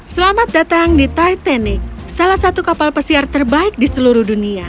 selamat datang di titanic salah satu kapal pesiar terbaik di seluruh dunia